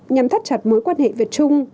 nhằm thắt chặt mối quan hệ việt trung